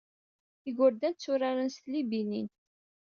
Igerdan tturaren s tlibinin.